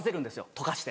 溶かして。